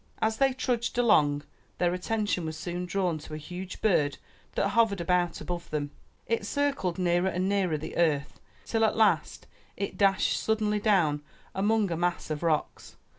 As they trudged along, their attention was soon drawn to a huge bird that hovered about above them. It circled nearer and nearer the earth till at last it dashed suddenly down among a mass of rocks.